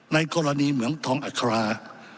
ในกรณีเหมืองทองอัครา